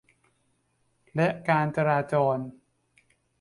และการจราจร